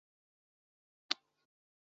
嘉庆二十一年举人。